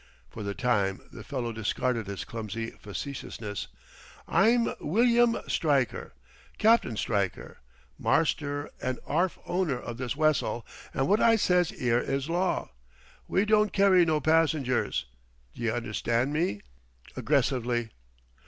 For the time the fellow discarded his clumsy facetiousness. "I'm Wilyum Stryker, Capt'n Stryker, marster and 'arf owner of this wessel, and wot I says 'ere is law. We don't carry no passengers. D'ye understand me?" aggressively.